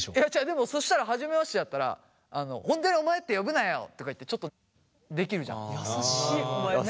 でもそしたら初めましてだったら本当にお前って呼ぶなよとか言ってちょっとできるじゃん。優しいお前何。